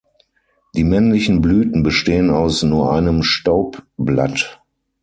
Die männlichen Blüten bestehen aus nur einem Staubblatt.